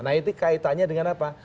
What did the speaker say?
nah itu kaitannya dengan apa